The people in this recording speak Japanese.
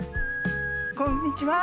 こんにちは。